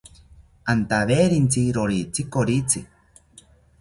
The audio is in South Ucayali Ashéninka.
Antawerintzi rowitzi koritzi